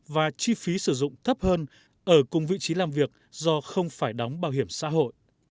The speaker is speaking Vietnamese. và chi phí sử dụng thấp hơn ở cùng vị trí làm việc do không phải đóng bảo hiểm xã hội